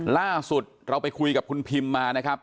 ล่าสุดเราไปคุยกับคุณพิมมานะครับ